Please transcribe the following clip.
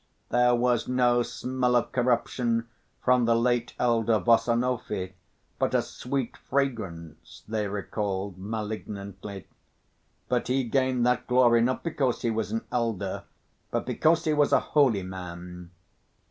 "There was no smell of corruption from the late elder Varsonofy, but a sweet fragrance," they recalled malignantly. "But he gained that glory not because he was an elder, but because he was a holy man."